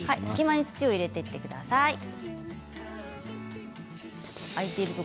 隙間に土を入れてください。